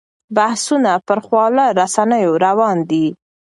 بحثونه پر خواله رسنیو روان دي.